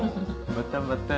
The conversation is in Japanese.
またまた。